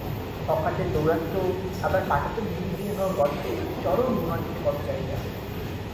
হকারদের দৌরাত্ম্য আবার পাটাতন ভেঙে গিয়ে হওয়া গর্তে চরম ভোগান্তিতে পথচারীরা।